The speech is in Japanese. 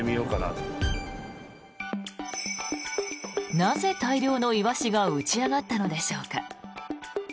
なぜ大量のイワシが打ち上がったのでしょうか。